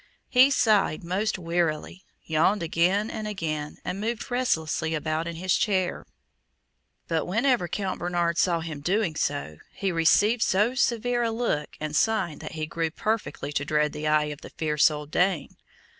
He sighed most wearily, yawned again and again, and moved restlessly about in his chair; but whenever Count Bernard saw him doing so, he received so severe a look and sign that he grew perfectly to dread the eye of the fierce old Dane.